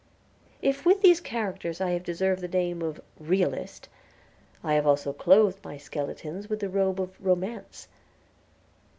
If with these characters I have deserved the name of "realist," I have also clothed my skeletons with the robe of romance.